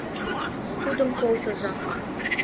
Тудым колтыза.